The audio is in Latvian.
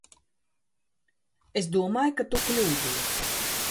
Es domāju, ka tu kļūdies.